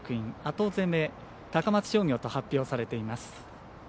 後攻め、高松商業と発表されています。